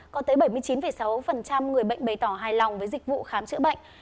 có tới bảy mươi chín sáu người bệnh bày tỏ hài lòng với dịch vụ khám chữa bệnh